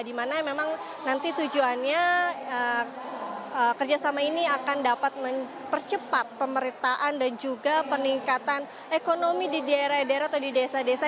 dimana memang nanti tujuannya kerjasama ini akan dapat mempercepat pemerintahan dan juga peningkatan ekonomi di daerah daerah atau di desa desa